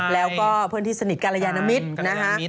แล้วก็เพื่อนที่สนิทกรยานมิตรนะคะ